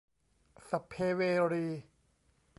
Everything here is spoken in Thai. สัพเพเวรี